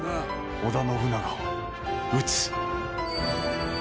織田信長を討つ。